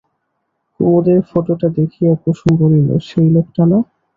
কুমুদের ফটোটা দেখিয়া কুসুম বলিল, সেই লোকটা না?